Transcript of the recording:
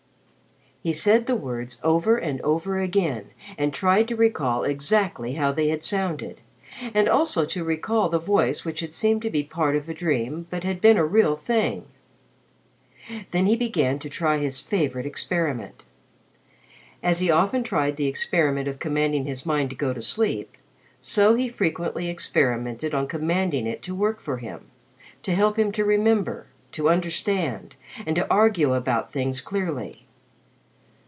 '" He said the words over and over again and tried to recall exactly how they had sounded, and also to recall the voice which had seemed to be part of a dream but had been a real thing. Then he began to try his favorite experiment. As he often tried the experiment of commanding his mind to go to sleep, so he frequently experimented on commanding it to work for him to help him to remember, to understand, and to argue about things clearly.